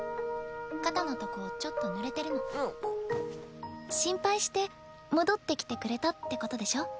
肩のとこちょっとぬれてるの心配して戻ってきてくれたってことでしょ？